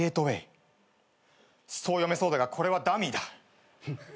そう読めそうだがこれはダミーだ。